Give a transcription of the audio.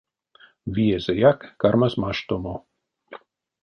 Виезэяк кармась маштомо.